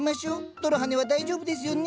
泥はねは大丈夫ですよね。